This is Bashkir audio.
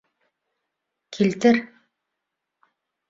Килтер.